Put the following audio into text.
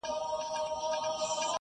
پوهه د انسان شخصیت رغوي.